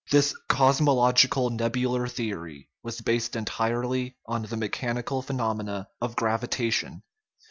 This " cosmological nebular theory " was based entirely on the mechanical phenomena of gravitation.